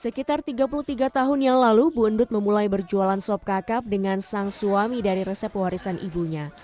sekitar tiga puluh tiga tahun yang lalu bu endut memulai berjualan sop kakap dengan sang suami dari resep warisan ibunya